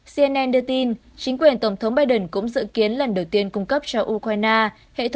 cnn đưa tin chính quyền tổng thống biden cũng dự kiến lần đầu tiên cung cấp cho ukraine